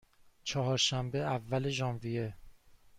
چهارشنبه، اول ژانویه